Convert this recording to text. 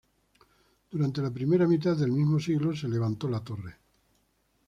Durante la primera mitad del mismo siglo se levantó la torre.